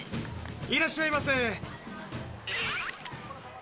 いらっしゃいませ。